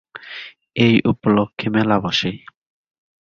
এই উপলক্ষে মেলা বসে।